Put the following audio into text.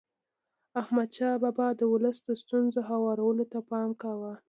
احمدشاه بابا د ولس د ستونزو هوارولو ته پام کاوه.